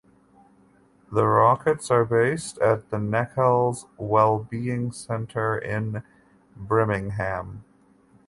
The Rockets are based at the Nechells Wellbeing Centre in Birmingham.